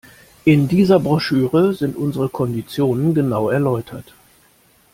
In dieser Broschüre sind unsere Konditionen genau erläutert.